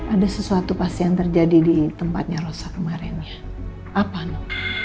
ada sesuatu pasti yang terjadi di tempatnya rosa kemarin ya apa no